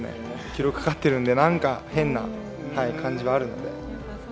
記録かかってるんで、なんか変な感じはあるので。